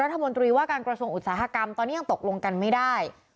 รัฐมนตรีว่าการกระทรวงอุตสาหกรรมตอนนี้ยังตกลงกันไม่ได้